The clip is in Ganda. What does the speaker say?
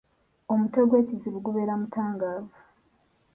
Omutwe gw’ekizibu gubeere mutangaavu.